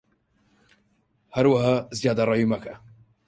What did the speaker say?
هەروەها زیادەڕەویی مەکە